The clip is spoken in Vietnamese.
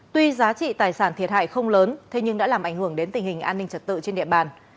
tuy giá trị tài sản thiệt hại không lớn thế nhưng đã làm ảnh hưởng đến tình hình an ninh trật tự trên địa bàn